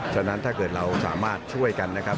ฉะนั้นถ้าเกิดเราสามารถช่วยกันนะครับ